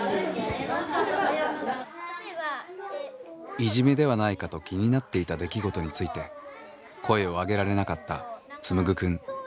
いじめではないかと気になっていた出来事について声を上げられなかったつむぐくん。